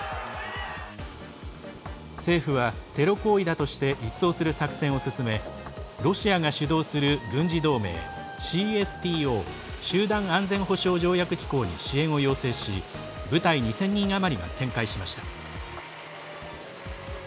政府はテロ行為だとして一掃する作戦を進めロシアが主導する軍事同盟ＣＳＴＯ＝集団安全保障条約機構に支援を要請し部隊２０００人余りが展開しました。